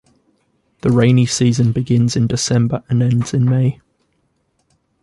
The rainy season begins in December and ends in May.